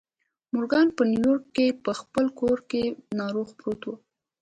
مورګان په نيويارک کې په خپل کور کې ناروغ پروت و.